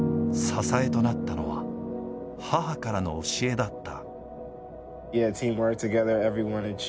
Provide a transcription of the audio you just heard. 支えとなったのは母からの教えだった。